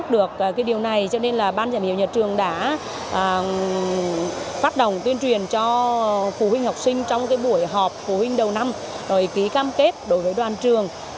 được điều này cho nên là ban giám hiệu nhà trường đã phát động tuyên truyền cho phụ huynh học sinh trong buổi họp phụ huynh đầu năm rồi ký cam kết đối với đoàn trường